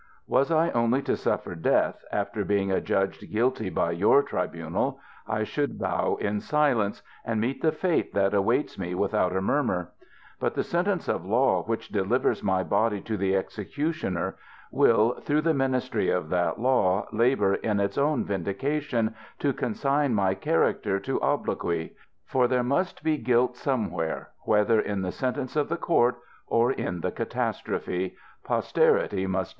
ŌĆö Was I only to suffer death, after being adjudged guilty by your tribunal ŌĆö I should bow in silence, and meet the fate that awaits me without a murmur : but the sentence of law which delivers my body to the executioner, will, through the ministry of that law, labour in its own vindication, to consign my charac ter to obloquy ŌĆö for there must be guilt somewhere : whether in the sentence of the court or in the catastrophe, posterity must 364 PATRIOTIC SPEECH OF MR. EMMET.